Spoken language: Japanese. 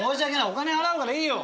お金払うからいいよ。